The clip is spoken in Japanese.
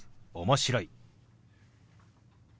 「面白い」。